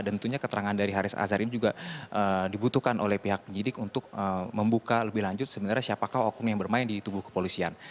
dan tentunya keterangan dari haris azhar ini juga dibutuhkan oleh pihak penyidik untuk membuka lebih lanjut sebenarnya siapakah hukum yang bermain di tubuh kepolisian